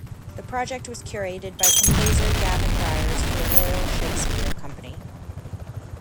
The project was curated by composer Gavin Bryars for The Royal Shakespeare Company.